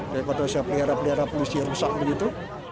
saya kata saya pelihara pelihara polisi rusak begitu